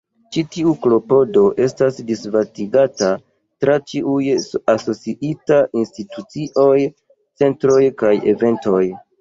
Ĉi tiu klopodo estas disvastigata tra ĉiuj asociitaj institucioj, centroj kaj eventoj.